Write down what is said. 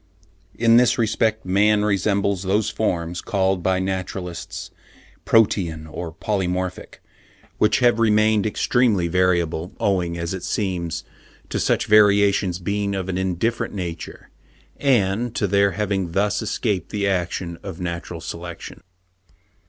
In this respect man resembles those forms, called by naturalists protean or polymorphic, which have remained extremely variable, owing, as it seems, to such variations being of an indifferent nature, and to their having thus escaped the action of natural selection.